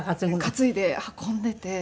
担いで運んでいて。